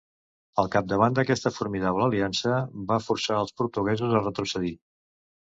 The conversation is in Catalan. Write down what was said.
Al capdavant d'aquesta formidable aliança, va forçar els portuguesos a retrocedir.